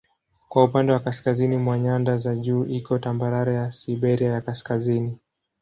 Kwa upande wa kaskazini mwa nyanda za juu iko tambarare ya Siberia ya Kaskazini.